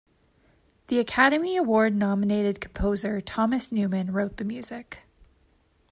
The Academy Award-nominated composer Thomas Newman wrote the music.